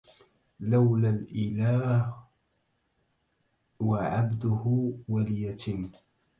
لولا الإله وعبده وليتم